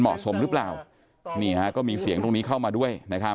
เหมาะซมรึเปล่านี่ฮะก็มีเสียงตรงนี้เข้ามาด้วย